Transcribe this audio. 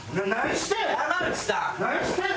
何してん？